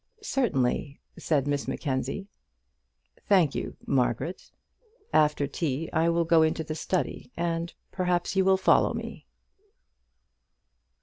"Certainly," said Miss Mackenzie. "Thank you, Margaret. After tea I will go into the study, and perhaps you will follow me."